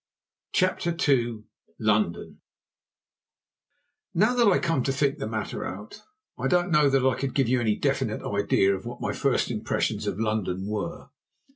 CHAPTER II LONDON Now that I come to think the matter out, I don't know that I could give you any definite idea of what my first impressions of London were.